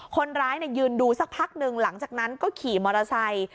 คนร้ายยืนดูสักพักหนึ่งหลังจากนั้นก็ขี่มอเตอร์ไซค์